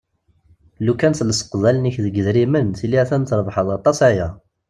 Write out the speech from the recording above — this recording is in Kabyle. Lukan tlesqeḍ allen-ik deg yidrimen tili a-t-an trebḥeḍ aṭas aya.